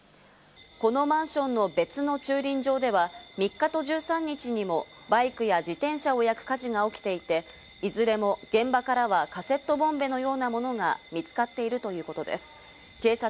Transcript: このマンションの別の駐輪場では３日と１３日にもバイクや自転車を焼く火事が起きていて、いずれも現場からはカセットボンベのよ